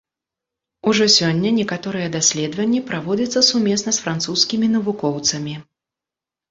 Ужо сёння некаторыя даследаванні праводзяцца сумесна з французскімі навукоўцамі.